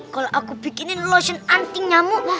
kalau aku bikinin lotion anti nyamuk